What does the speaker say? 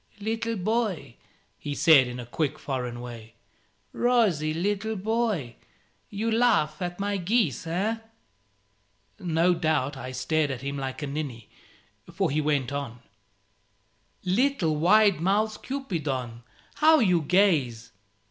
"Little boy," he said, in a quick foreign way "rosy little boy. You laugh at my geese, eh?" No doubt I stared at him like a ninny, for he went on "Little wide mouthed Cupidon, how you gaze!